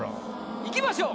いきましょう。